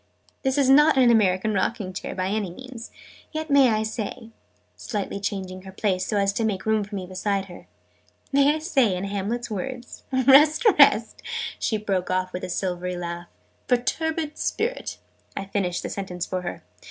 "This is not an American rocking chair, by any means! Yet may I say," slightly changing her place, so as to make room for me beside her, "may I say, in Hamlet's words, 'Rest, rest '" she broke off with a silvery laugh. " perturbed Spirit!"' I finished the sentence for her.